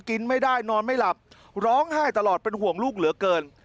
กินไม่ได้นอนไม่หลับร้องไห้ตลอดเป็นห่วงลูกเหลือเกิน